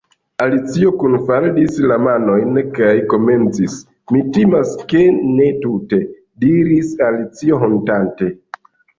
Alicio kunfaldis la manojn kaj komencis: "Mi timas ke ne tute " diris Alicio hontante.